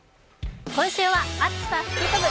今週は「暑さ吹き飛ぶ！